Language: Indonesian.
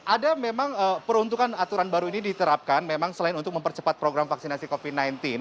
ada memang peruntukan aturan baru ini diterapkan memang selain untuk mempercepat program vaksinasi covid sembilan belas